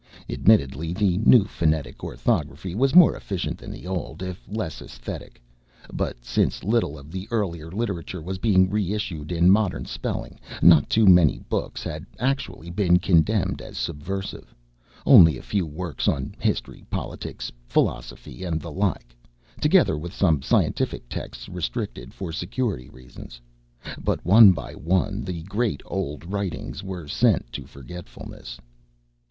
Admittedly the new phonetic orthography was more efficient than the old, if less esthetic; but since little of the earlier literature was being re issued in modern spelling not too many books had actually been condemned as subversive only a few works on history, politics, philosophy, and the like, together with some scientific texts restricted for security reasons; but one by one, the great old writings were sent to forgetfulness.